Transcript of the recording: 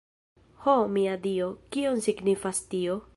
Ho, mia Dio, kion signifas tio?